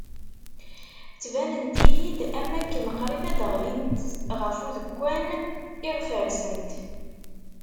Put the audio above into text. Ttbanent-iyi-d am wakken qrib ad d-ɣlint ɣef udekkan iɣef rsent.